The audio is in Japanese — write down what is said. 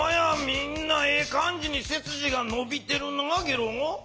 みんなええ感じにせすじがのびてるなゲロ。